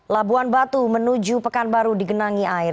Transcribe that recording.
labuan batu menuju pekanbaru digenangi air